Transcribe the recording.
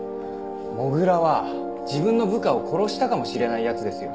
土竜は自分の部下を殺したかもしれない奴ですよ。